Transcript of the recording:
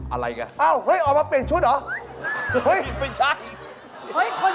อ่ะอะไรก็อ่ะอ้าวออกมาเปลี่ยนชุดหรอ